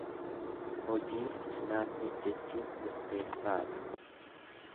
Hojii sirnaan hojjechuun murteessa dha.